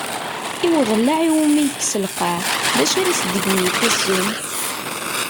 I uḍellaε umi yekkes lqaε, d acu ara s-d-gen yifassen?